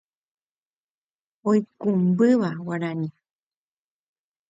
oikũmbýva guarani